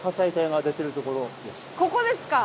ここですか。